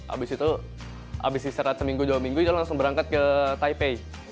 abis itu habis istirahat seminggu dua minggu kita langsung berangkat ke taipei